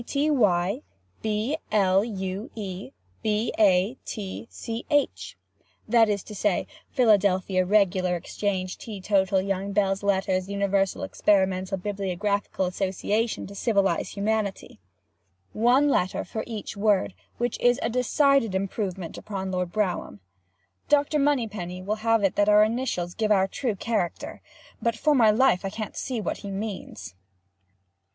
T. T. Y. B. L. U. E. B. A. T. C. H.—that is to say, Philadelphia, Regular, Exchange, Tea, Total, Young, Belles, Lettres, Universal, Experimental, Bibliographical, Association, To, Civilize, Humanity—one letter for each word, which is a decided improvement upon Lord Brougham. Dr. Moneypenny will have it that our initials give our true character—but for my life I can't see what he means.